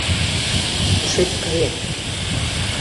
— Ушет каен.